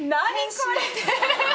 これ。